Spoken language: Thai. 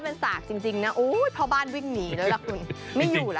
โอ้ยพ่อบ้านวิ่งหนีเลยล่ะคุณไม่อยู่แล้วแหละ